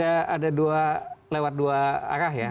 ada dua lewat dua arah ya